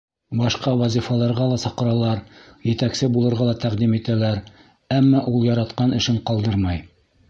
Башҡа вазифаларға ла саҡыралар, етәксе булырға ла тәҡдим итәләр, әммә ул яратҡан эшен ҡалдырмай.